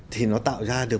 thì nó tạo ra được